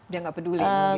dia nggak peduli mungkin